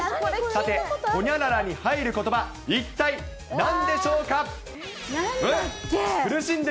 さてホニャララに入ることば、一体なんでしょうか。